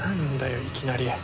いきなり。